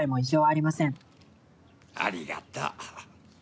ありがとう。